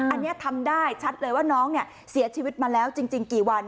อันนี้ทำได้ชัดเลยว่าน้องเสียชีวิตมาแล้วจริงกี่วัน